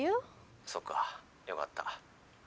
☎そうかよかった。